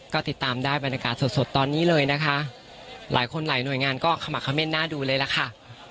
ก็ติดตามได้บรรยากาศสดสดตอนนี้เลยนะคะหลายคนหลายหน่วยงานก็ขมักเม่นหน้าดูเลยล่ะค่ะ